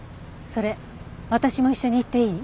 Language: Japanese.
それ私も一緒に行っていい？